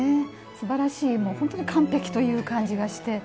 素晴らしい本当に完璧という感じがして。